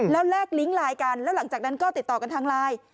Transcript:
แล้วแลกลิงก์ไลน์กันแล้วหลังจากนั้นก็ติดต่อกันทางไลน์